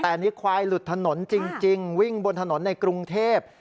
แต่อันนี้ควายหลุดถนนจริงวิ่งบนถนนในกรุงเทพ